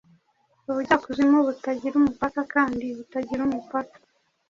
Ubujyakuzimu butagira umupaka kandi butagira umupaka,